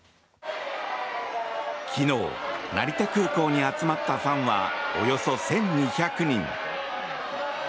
昨日成田空港に集まったファンはおよそ１２００人。